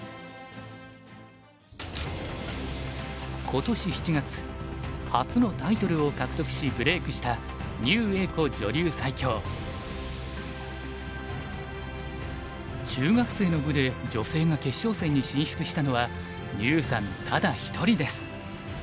今年７月初のタイトルを獲得しブレークした中学生の部で女性が決勝戦に進出したのは牛さんただ一人です。